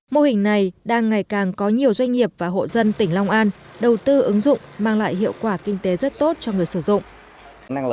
mô hình này đang ngày càng có nhiều doanh nghiệp và hộ dân tỉnh long an đầu tư ứng dụng mang lại hiệu quả kinh tế rất tốt cho người sử dụng